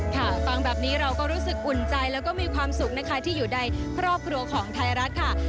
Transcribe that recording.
ค่ะฟังแบบนี้เราก็รู้สึกอุ่นใจแล้วก็มีความสุขนะคะที่อยู่ในครอบครัวของไทยรัฐค่ะ